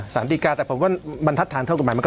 สารดีกาแต่ผมว่ามันทัศนเท่ากันหมาย